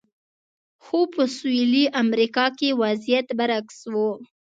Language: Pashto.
خو په سویلي امریکا کې وضعیت برعکس و.